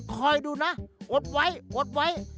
คอยดูนะอดไว้อดไว้